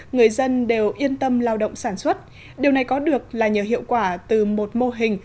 người dân đều yên tâm lao động sản xuất điều này có được là nhờ hiệu quả từ một mô hình